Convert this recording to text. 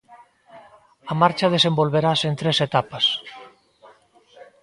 A marcha desenvolverase en tres etapas.